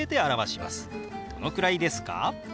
「どのくらいですか？」。